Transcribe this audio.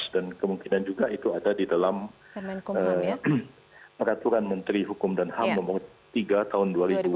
dan kemungkinan juga itu ada di dalam peraturan menteri hukum dan ham nomor tiga tahun dua ribu delapan belas